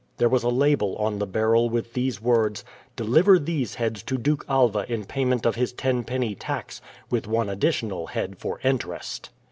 There was a label on the barrel with these words, "Deliver these heads to Duke Alva in payment of his ten penny tax, with one additional head for interest."